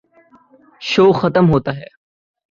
شو ختم ہوتا ہے۔